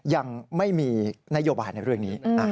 ยังไม่มีนโยบายในเรื่องนี้